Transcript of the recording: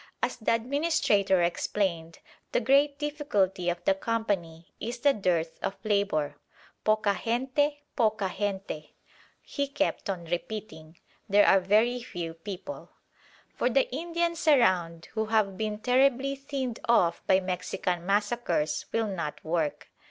As the administrator explained, the great difficulty of the Company is the dearth of labour: "Poca gente, poca gente," he kept on repeating ("There are very few people"); for the Indians around, who have been terribly thinned off by Mexican massacres, will not work.